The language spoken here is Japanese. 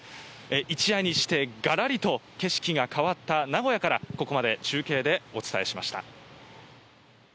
一夜にしてガラリと景色が変わった名古屋から、ここまで中継でお伝えしました。